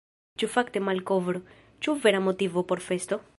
Ĉu fakte malkovro, ĉu vera motivo por festo?